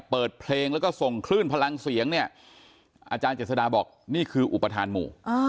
เปิดเพลงแล้วก็ส่งคลื่นพลังเสียงเนี่ยอาจารย์เจษฎาบอกนี่คืออุปทานหมู่